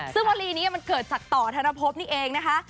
ซึ่งวลีนี้มันเกิดจากต่อธนภพนี่เองนะคะ